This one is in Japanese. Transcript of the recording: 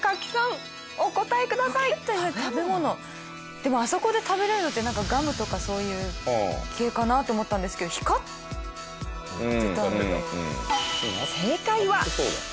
でもあそこで食べられるのってなんかガムとかそういう系かな？と思ったんですけど光っていたので。